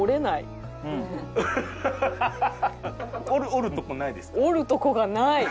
折るとこないですか？